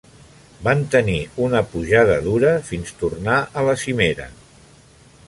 Van tenir una pujada dura fins tornar a la cimera.